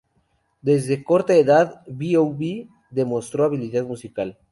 Desde corta edad B.o.B demostró habilidad musical.